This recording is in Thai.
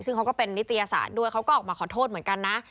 ซึ่งเขาก็เป็นนิตยศาสตร์ด้วยเขาก็ออกมาขอโทษเหมือนกันนะ